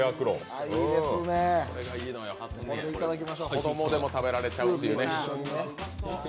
子供でも食べられちゃうっていうね。